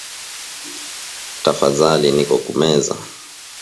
Tafazali niko ku meza